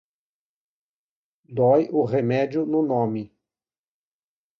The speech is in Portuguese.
Dói o remédio no nome.